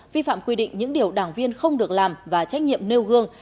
vi phạm quy định những điều đảng viên không được làm và trách nhiệm nêu gương